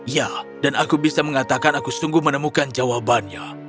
ya dan aku bisa mengatakan aku sungguh menemukan jawabannya